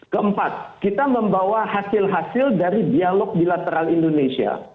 keempat kita membawa hasil hasil dari dialog bilateral indonesia